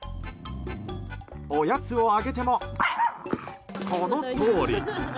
おやつをあげてもこのとおり。